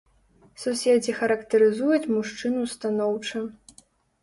Суседзі характарызуюць мужчыну станоўча.